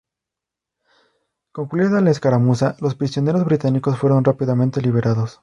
Concluida la escaramuza, los prisioneros británicos fueron rápidamente liberados.